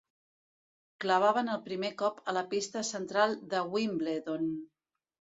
Clavaven el primer cop a la pista central de Wimbledon.